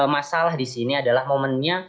masalah disini adalah momennya